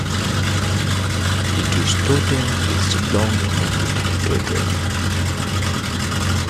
Little's totem is the long-necked turtle.